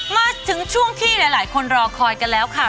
มาถึงช่วงที่หลายคนรอคอยกันแล้วค่ะ